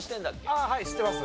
ああはいしてます。